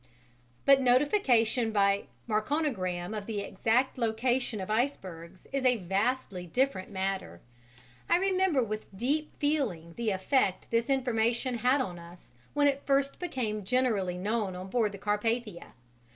But notification by Marconigram of the exact location of icebergs is a vastly different matter. I remember with deep feeling the effect this information had on us when it first became generally known on board the Carpathia.